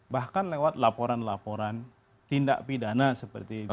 bahkan lewat laporan laporan tindak pidana seperti itu